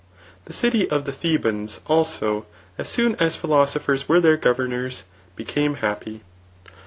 The city of the Thebans, also^ as soon as philosc^ers were their governors, became happy.